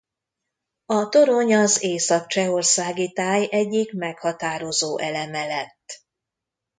A torony az észak-csehországi táj egyik meghatározó eleme lett.